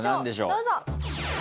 どうぞ。